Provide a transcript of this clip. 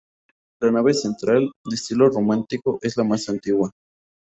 La nave central, de estilo románico, es la más antigua.